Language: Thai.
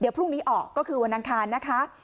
เดี๋ยวพรุ่งนี้ออกก็คือวันนั่งคาญนะคะ